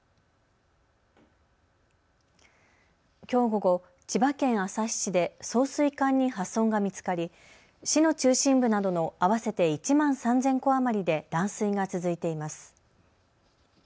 きょう午後、千葉県旭市で送水管に破損が見つかり、市の中心部などの合わせて１万３０００戸余りで断水が続いています。